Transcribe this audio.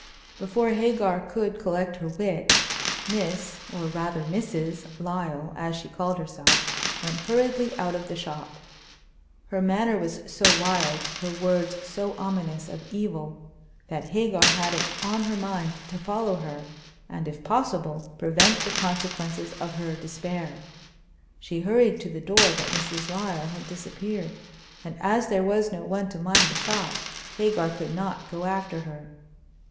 Before Hagar could collect her wits, Miss—or rather Mrs.—Lyle, as she called herself, went hurriedly out of the shop. Her manner was so wild, her words so ominous of evil, that Hagar had it on her mind to follow her, and, if possible, prevent the consequences of her despair. She hurried to the door, but Mrs. Lyle had disappeared, and as there was no one to mind the shop, Hagar could not go after her.